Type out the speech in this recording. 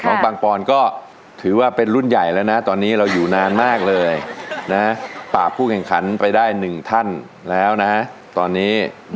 ปังปอนก็ถือว่าเป็นรุ่นใหญ่แล้วนะตอนนี้เราอยู่นานมากเลยนะปราบผู้แข่งขันไปได้๑ท่านแล้วนะตอนนี้